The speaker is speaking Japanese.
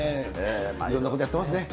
いろんなことやってますね。